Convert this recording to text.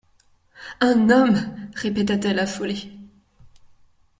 Un homme ! répéta-t-elle affolée.